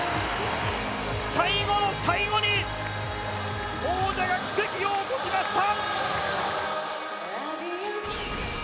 最後の最後に王者が奇跡を起こしました！